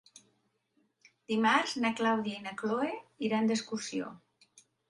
Dimarts na Clàudia i na Cloè iran d'excursió.